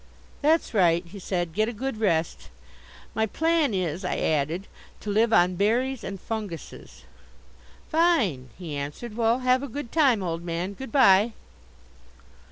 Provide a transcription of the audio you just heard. "That's right," he said, "get a good rest." "My plan is," I added, "to live on berries and funguses." "Fine," he answered. "Well, have a good time, old man good bye."